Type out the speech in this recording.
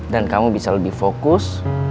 dan kamu bisa lebih fokus